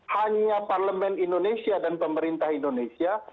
hanya parlemen indonesia dan pemerintah indonesia